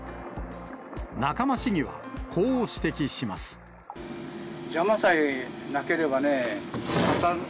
仲間市議は、こう指摘します。